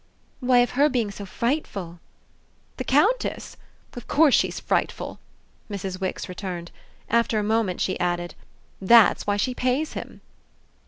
"Why, of her being so frightful." "The Countess? Of course she's frightful!" Mrs. Wix returned. After a moment she added: "That's why she pays him."